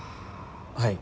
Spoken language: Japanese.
はい。